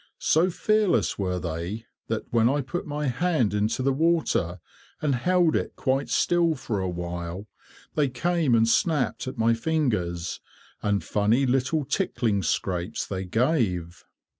So fearless were they, that when I put my hand into the water and held it quite still for a while, they came and snapped at my fingers, and funny little tickling scrapes they gave.